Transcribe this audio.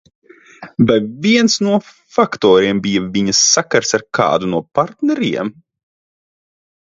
Vai viens no faktoriem bija viņas sakars ar kādu no partneriem?